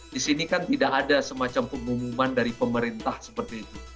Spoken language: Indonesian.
di sini kan tidak ada semacam pengumuman dari pemerintah seperti itu